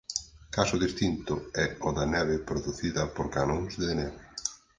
Caso distinto é o da neve producida por "canóns de neve".